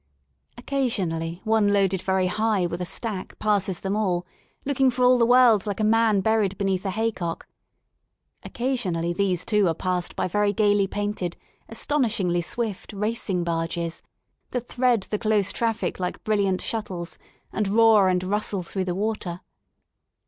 Occasionally one loaded very high with a stack passes them all, looking for all the world like a man buried beneath a haycockj occasionally these, too, are passed by very gaily painted, astonishingly swift, racing barges, that thread the close traflic like brilliant shut tles, and roar and rustle through the water.